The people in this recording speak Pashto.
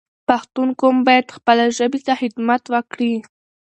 پښتون قوم باید خپله ژبه ته خدمت وکړی